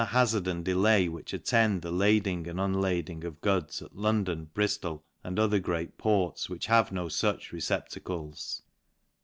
izard, and delay, which attend the lading and'un ^•1 ding of goods at London Brijlol, and other greac prts, which have no fuch receptacles.